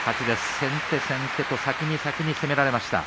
先手、先手と先に先に攻められました。